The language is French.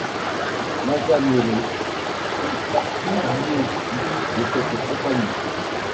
Masaniello fit partie lui aussi de cette compagnie.